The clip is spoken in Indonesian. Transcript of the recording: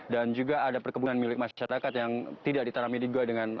dan juga ada perkebunan milik masyarakat yang tidak ditanami di gua dengan